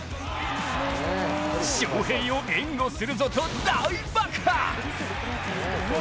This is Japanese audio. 翔平を援護するぞと大爆発！